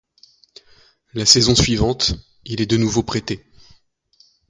La saison suivante, il est de nouveau prêté.